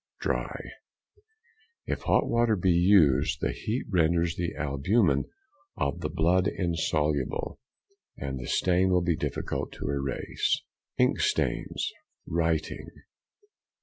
Dry. If hot water be used, the heat renders the albumen of the blood insoluble, and the stain will be difficult to erase. _Ink stains (writing).